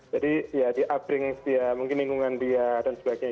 jadi ya di updating dia mungkin lingkungan dia dan sebagainya